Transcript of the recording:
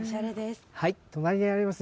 隣にあります